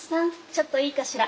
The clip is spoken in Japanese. ちょっといいかしら？